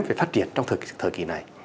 phải phát triển trong thời kỳ này